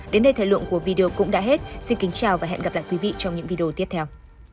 đến đây thời lượng của video cũng đã hết xin kính chào và hẹn gặp lại quý vị trong những video tiếp theo